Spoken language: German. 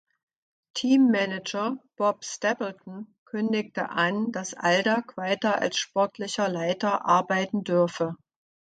Teammanager Bob Stapleton kündigte an, dass Aldag weiter als Sportlicher Leiter arbeiten dürfe.